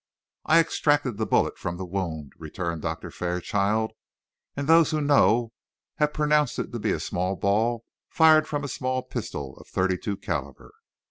"I extracted the bullet from the wound," returned Doctor Fairchild, "and those who know have pronounced it to be a ball fired from a small pistol of thirty two calibre."